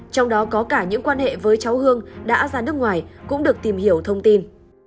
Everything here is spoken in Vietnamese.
trong đó có cả những quan hệ với cháu hương đã ra nước ngoài cũng được tìm hiểu thông tin